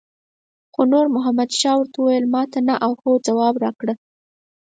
خو نور محمد شاه ورته وویل ماته نه او هو ځواب راکړه.